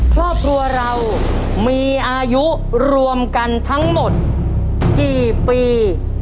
ครอบครัวเรามีอายุรวมกันทั้งหมดกี่ปี